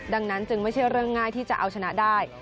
ดังนั้นจึงไม่ใช่เรื่องง่ายที่จะเอาชนะได้